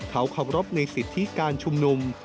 เขาเคารพในสิทธิการชุมนุม